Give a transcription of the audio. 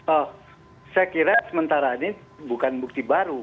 oh saya kira sementara ini bukan bukti baru